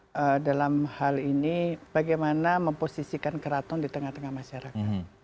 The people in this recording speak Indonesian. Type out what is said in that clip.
kita dalam hal ini bagaimana memposisikan keraton di tengah tengah masyarakat